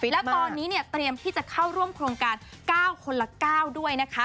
และตอนนี้เตรียมที่จะเข้าร่วมโครงการ๙คนละ๙ด้วย